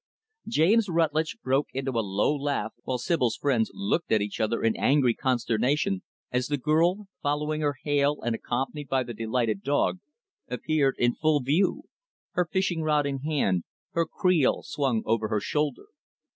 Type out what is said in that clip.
James Rutlidge broke into a low laugh while Sibyl's friends looked at each other in angry consternation as the girl, following her hail and accompanied by the delighted dog, appeared in full view; her fishing rod in hand, her creel swung over her shoulder.